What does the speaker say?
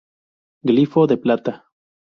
Glifo de Plata.